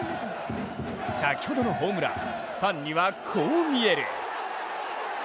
先ほどのホームラン、ファンにはこう見える。